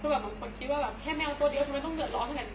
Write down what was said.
บางคนคิดว่าแค่แมวตัวเดียวไม่ต้องเดอะร้อนไหล่